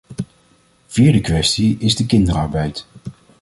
Vierde kwestie is de kinderarbeid.